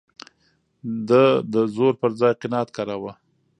ده د زور پر ځای قناعت کاراوه.